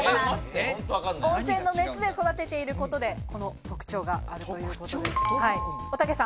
温泉の熱で育てていることで、この特徴があるということです。